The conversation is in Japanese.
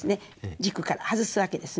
軸から外すわけですね。